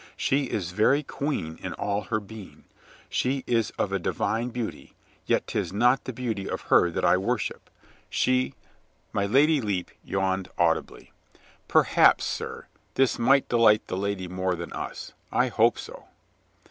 She is very queen in all her being. She is of a divine beauty, yet 'tis not the beauty of her that I worship. She —" My Lady Lepe yawned audibly. "Perhaps, sir, this might delight the lady more than us. I hope so."